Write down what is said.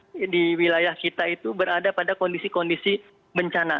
jadi kemudian kemudian di wilayah kita itu berada pada kondisi kondisi bencana